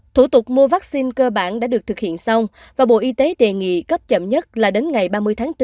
thủ tục mua vaccine cơ bản đã được thực hiện xong và bộ y tế đề nghị cấp chậm nhất là đến ngày ba mươi tháng bốn